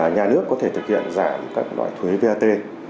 nhà nước có thể thực hiện giảm các loại thuế vat